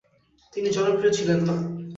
তিনি জনপ্রিয় ছিলেন না।